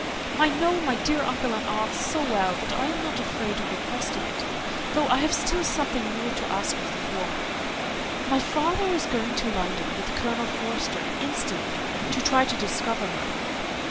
I know my dear uncle and aunt so well, that I am not afraid of requesting it, though I have still something more to ask of the former. My father is going to London with Colonel Forster instantly, to try to discover her.